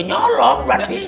ya nyolong berarti